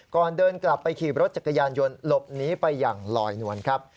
ก่อนเดินกลับไปขี่รถจักรยานยนต์หลบหนีไปอย่างลอยนวลครับ